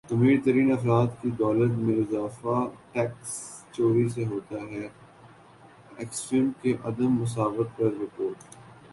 امیر ترین افراد کی دولت میں اضافہ ٹیکس چوری سے ہوتا ہےاکسفیم کی عدم مساوات پر رپورٹ